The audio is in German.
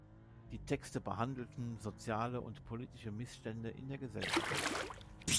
Die Texte behandelten soziale und politische Missstände in der Gesellschaft.